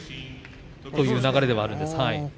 そういう流れではあるんですが。